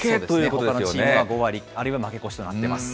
ほかのチームは５割、あるいは負け越しとなっています。